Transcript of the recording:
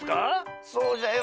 そうじゃよ。